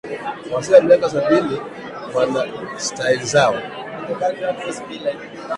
wazee wa miaka sabini wana style zao